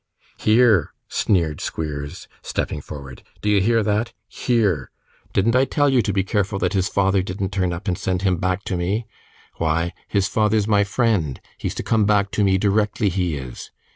'Here!' sneered Squeers, stepping forward. 'Do you hear that? Here! Didn't I tell you to be careful that his father didn't turn up and send him back to me? Why, his father's my friend; he's to come back to me directly, he is.